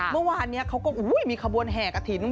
เมื่อวานเขาก็อุ๊ยมีขบวนแหกระถิน